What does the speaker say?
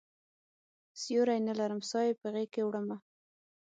سیوری نه لرم سایې په غیږکې وړمه